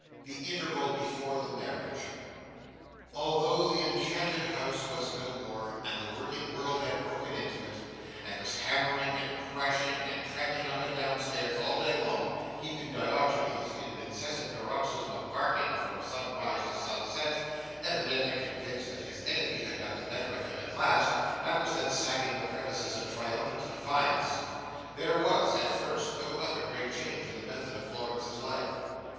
The interval before the Marriage Although the enchanted house was no more, and the working world had broken into it, and was hammering and crashing and tramping up and down stairs all day long keeping Diogenes in an incessant paroxysm of barking, from sunrise to sunset—evidently convinced that his enemy had got the better of him at last, and was then sacking the premises in triumphant defiance—there was, at first, no other great change in the method of Florence's life.